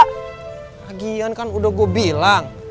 lagian kan udah gua bilang